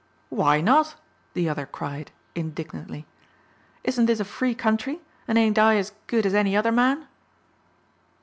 "Why not?" the other cried, indignantly. "Isn't this a free country and ain't I as good as any other man?"